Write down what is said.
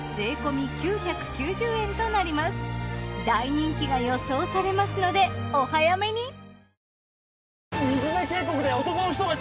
大人気が予想されますのでお早めに！